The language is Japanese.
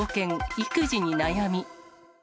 育児に悩み。